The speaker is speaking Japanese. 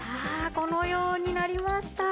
このようになりました。